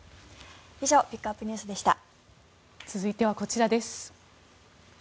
以上ピックアップＮＥＷＳでした。